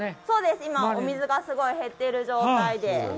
そうです、今はお水がすごい減っている状態で。